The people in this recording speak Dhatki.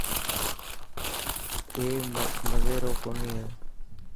اي مزي رو ڪوني هي.